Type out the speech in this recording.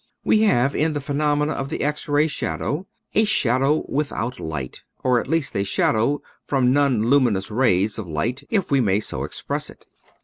We have in the phenomenon of the X ray shadow, a shadow without light — or at least a shadow from nonluminous rays of light, if we may so express it.